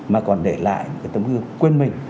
mà còn để lại tấm gương quên mình